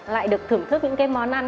lại được thưởng thức những cái món ăn